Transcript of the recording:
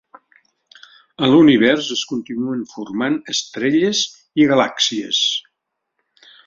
En l'Univers es continuen formant estrelles i galàxies.